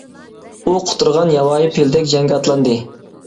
ئۇ قۇترىغان ياۋايى پىلدەك جەڭگە ئاتلاندى.